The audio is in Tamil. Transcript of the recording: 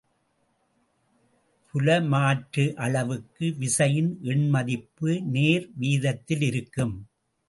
புலமாற்ற அளவுக்கு விசையின் எண்மதிப்பு நேர் வீதத்திலிருக்கும்.